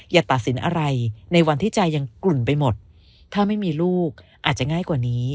อย่าตัดสินอะไรในวันที่ใจยังกลุ่นไปหมดถ้าไม่มีลูกอาจจะง่ายกว่านี้